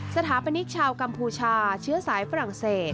สถาปนิกชาวกัมพูชาเชื้อสายฝรั่งเศส